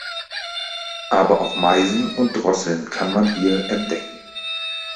Aber auch Meisen und Drosseln kann man hier entdecken.